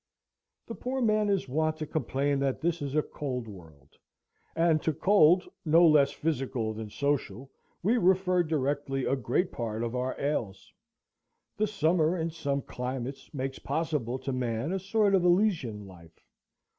The poor man is wont to complain that this is a cold world; and to cold, no less physical than social, we refer directly a great part of our ails. The summer, in some climates, makes possible to man a sort of Elysian life.